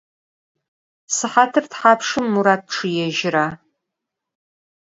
Sıhatır thapşşım Murat ççıêjıra?